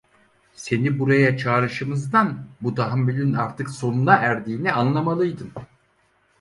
Seni buraya çağrışımızdan bu tahammülün artık sonuna erdiğini anlamalıydın!